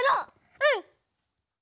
うん！